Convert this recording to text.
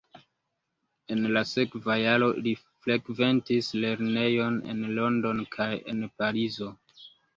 En la sekva jaro li frekventis lernejon en Londono kaj en Parizo.